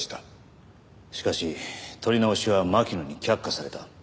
しかし撮り直しは巻乃に却下された。